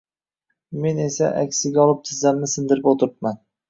Men esa aksiga olib tizzamni sindirib o`tiribman